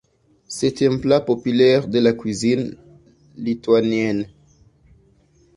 C'est un plat populaire de la cuisine lituanienne.